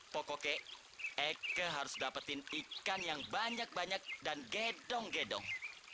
pokoknya eke harus dapetin ikan yang banyak banyak dan gedong gedong